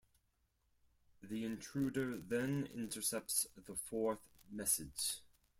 The intruder then intercepts the fourth message.